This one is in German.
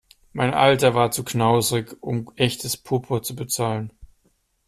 Mein Alter war zu knauserig, um echtes Purpur zu bezahlen.